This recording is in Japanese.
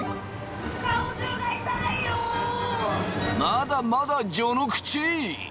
まだまだ序の口！